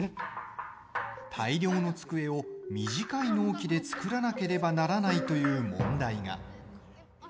大量の机を短い納期で作らなければならないという問題が。